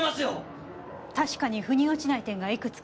確かに腑に落ちない点がいくつかあるわね。